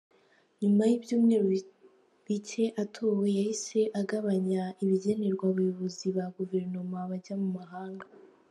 Nyuma y’ibyumweru bike atowe yahise agabanya ibigenerwa abayobozi ba guverinoma bajya mu mahanga.